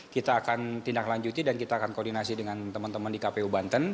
kita akan tindak lanjuti dan kita akan koordinasi dengan teman teman di kpu banten